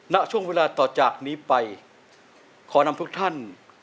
ณช่วงเวลาต่อจากนี้ไปขอนำทุกท่าน